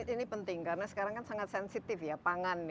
ini penting karena sekarang kan sangat sensitif ya pangan ya